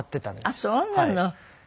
あっそうなの。